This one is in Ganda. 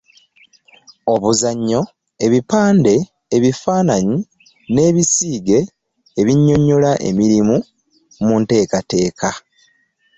Obuzannyo, ebipande, ebifaananyi n’ebisiige ebinnyonnyola emirimu mu nteekateeka.